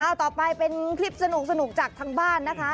เอาต่อไปเป็นคลิปสนุกจากทางบ้านนะคะ